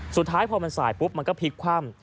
สุดท้ายพอมันสายปุ๊บมันก็พลิกคว่ำ